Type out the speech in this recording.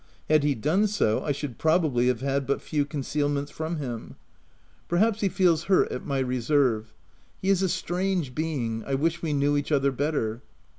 Had he done so, I should probably have had but few concealments from him. Perhaps, he feels hurt OF WILDFELL HALL. J5 at my reserve. He is a strange being — I wish we knew each other better.